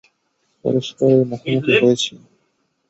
পরস্পরের মুখোমুখি হয়েছি!